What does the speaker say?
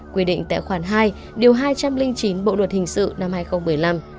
quy định tại khoản hai điều hai trăm linh chín bộ luật hình sự năm hai nghìn một mươi năm